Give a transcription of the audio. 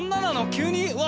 急に。